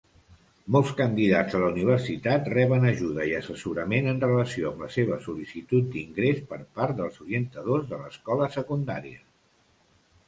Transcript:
Molts candidats a la universitat reben ajuda i assessorament en relació amb la seva sol.licitud d'ingrés per part dels orientadors de l'escola secundària.